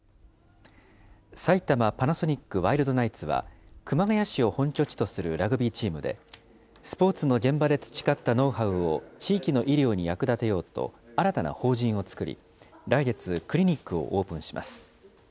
埼玉パナソニックワイルドナイツは、熊谷市を本拠地とするラグビーチームで、スポーツの現場で培ったノウハウを地域の医療に役立てようと、新たな法人を作り、来月、クリニックをオープンします。